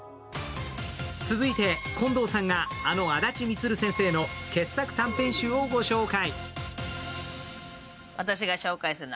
続いて近藤さんが、あのあだち充先生の傑作短編集をご紹介。